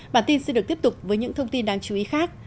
bản tin sẽ được tiếp tục với những thông tin đáng chú ý khác